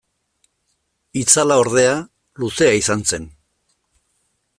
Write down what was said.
Itzala, ordea, luzea izan zen.